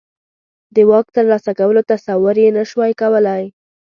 د واک ترلاسه کولو تصور یې نه شوای کولای.